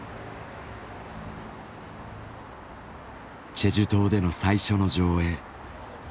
チェジュ島での最初の上映。